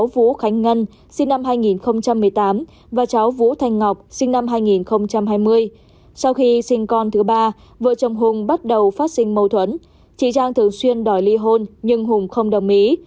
vợ chồng hùng bắt đầu phát sinh mâu thuẫn chị trang thường xuyên đòi ly hôn nhưng hùng không đồng ý